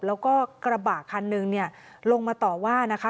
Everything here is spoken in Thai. แล้วก็กระบะคันนึงเนี่ยลงมาต่อว่านะคะ